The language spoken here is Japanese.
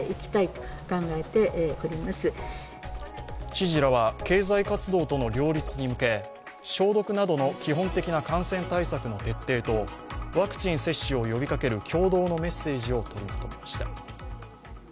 知事らは、経済活動との両立に向け消毒などの基本的な感染対策の徹底とワクチン接種を呼びかける共同のメッセージを取りまとめました。